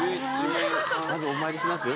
まずお参りします？